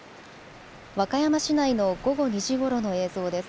和歌山市内の午後２時ごろの映像です。